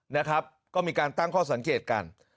นะครับก็มีการตั้งข้อสังเกตกัน